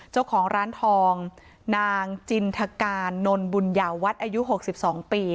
เจ้าของร้านทองหลจิณภการนนบุญาวัฏอายุ๖๒ปี